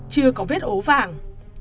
chưa có vết ố vàng